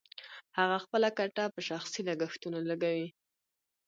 هغه خپله ګټه په شخصي لګښتونو لګوي